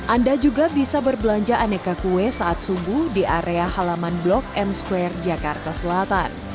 anda juga bisa berbelanja aneka kue saat subuh di area halaman blok m square jakarta selatan